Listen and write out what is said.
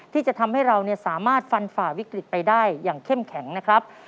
ที่จะทำให้เราสามารถฟันฝ่าวิกฤตไปได้อย่างเข้มแข็งนะครับ